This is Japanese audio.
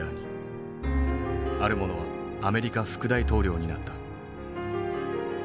ある者はアメリカ副大統領になった。